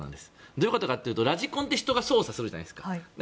どういうことかというとラジコンって人が操作するじゃないですか。